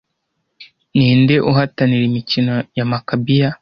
Ninde uhatanira imikino ya Makabiya